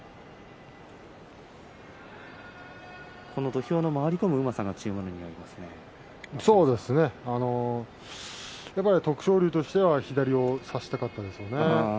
土俵、回り込むうまさが徳勝龍としては左を差したかったですね。